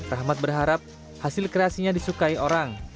rahmat berharap hasil kreasinya disukai orang